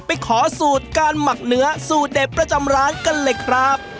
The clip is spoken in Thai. ไปขอสูตรการหมักเนื้อสูตรเด็ดประจำร้านกันเลยครับ